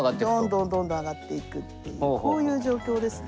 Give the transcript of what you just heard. どんどんどんどん上がっていくっていうこういう状況ですね。